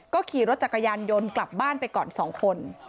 ขี่รถจักรยานยนต์กลับบ้านไปก่อน๒คน